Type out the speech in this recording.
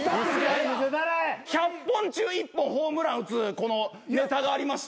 １００本中１本ホームラン打つネタがありまして。